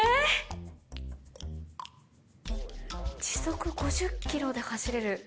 「時速５０キロで走れる」。